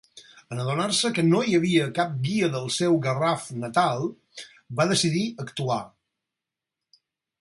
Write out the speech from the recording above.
En adonar-se que no hi havia cap guia del seu Garraf natal, va decidir actuar.